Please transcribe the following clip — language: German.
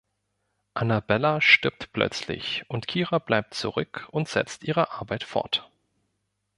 Annabella stirbt plötzlich und Kira bleibt zurück und setzt ihre Arbeit fort.